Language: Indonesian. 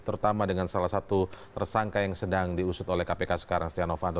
terutama dengan salah satu tersangka yang sedang diusut oleh kpk sekarang setia novanto